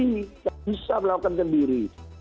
tidak bisa melakukan sendiri